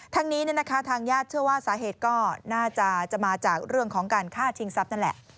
ทางนี้ทางญาติเชื่อว่าสาเหตุก็น่าจะมาจากเรื่องของการฆ่าชิงทรัพย์นั่นแหละ